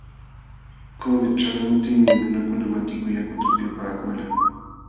Covid ćhalqamuptinmi nunakuna matiku yakuta upyapaakulqa.